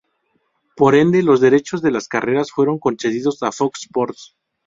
Por ende, los derechos de las carreras fueron concedidos a Fox Sports.